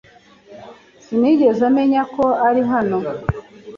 Sinigeze menya ko uri hano.